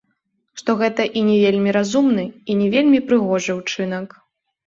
Што гэта і не вельмі разумны, і не вельмі прыгожы ўчынак.